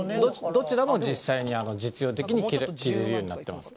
どちらも実際に実用的に着られるようになっています。